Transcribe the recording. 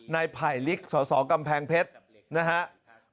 นายไผ่ลิกสสกำแพงเพชร